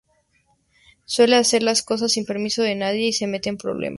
Suele hacer las cosas sin permiso de nadie y se mete en problemas.